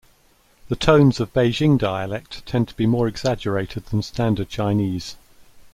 The tones of Beijing dialect tend to be more exaggerated than Standard Chinese.